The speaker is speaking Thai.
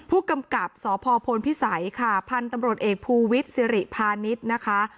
ผู้กำกับสพพลพิสัยค่ะพันธุ์ตำรวจเอกภูวิทย์สิริพาณิชย์นะคะ